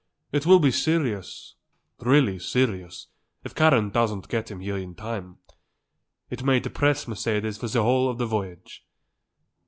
It will be serious, really serious, if Karen doesn't get him here in time. It may depress Mercedes for the whole of the voyage."